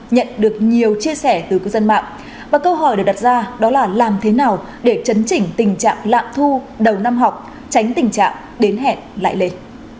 nhận được nhiều chia sẻ từ cư dân mạng và câu hỏi được đặt ra đó là làm thế nào để chấn chỉnh tình trạng lạm thu đầu năm học tránh tình trạng đến hẹn lại lên